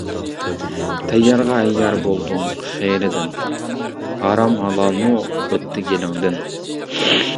تەييارغا ھەييار بولدۇڭ خېلىدىن، ھارام ھالالمۇ ئۆتتى گېلىڭدىن.